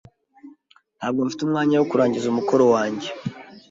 Ntabwo mfite umwanya wo kurangiza umukoro wanjye.